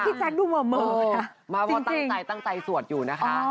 พี่แจ๊กดูเหมือนเมอร์ค่ะจริงมาเพราะตั้งใจตั้งใจสวดอยู่นะคะ